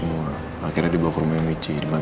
gua masih sama amin